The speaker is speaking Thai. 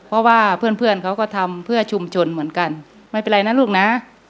เพราะว่าเพื่อนเพื่อนเขาก็ทำเพื่อชุมชนเหมือนกันไม่เป็นไรนะลูกนะ